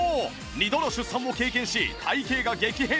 ２度の出産を経験し体形が激変したそうで